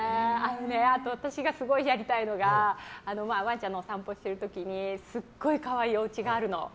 あと、私がすごいやりたいのがワンちゃんの散歩をしてる時にすごい可愛いおうちがあるの。